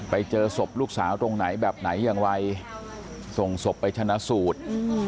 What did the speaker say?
ไปเจอศพลูกสาวตรงไหนแบบไหนอย่างไรส่งศพไปชนะสูตร